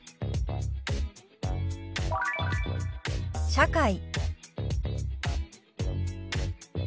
「社会」。